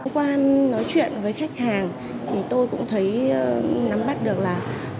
qua nói chuyện với khách hàng thì tôi cũng thấy nắm bắt được là